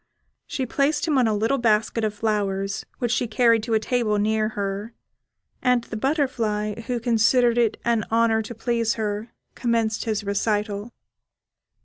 She placed him on a little basket of flowers, which she carried to a table near her, and the butterfly, who considered it an honour to please her, commenced his recital.